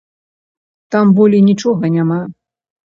Там болей нічога няма!